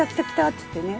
っつってね